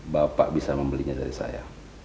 bapak bisa membelinya dari saya